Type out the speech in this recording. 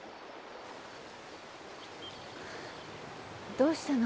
どうしたの？